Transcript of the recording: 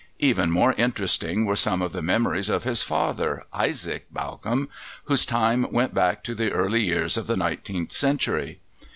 Even more interesting were some of the memories of his father, Isaac Bawcombe, whose time went back to the early years of the nineteenth century.